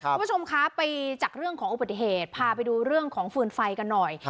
คุณผู้ชมคะไปจากเรื่องของอุบัติเหตุพาไปดูเรื่องของฟืนไฟกันหน่อย